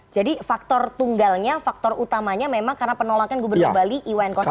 jadi faktor tunggalnya faktor utamanya memang karena penolakan gubernur bali iwan koster ya